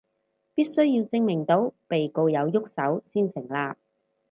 必須要證明到被告有郁手先成立